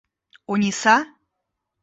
Ониса!